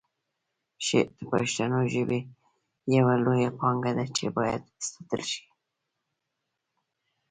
شعر د پښتو ژبې یوه لویه پانګه ده چې باید وساتل شي.